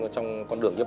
trong con đường tiếp ảnh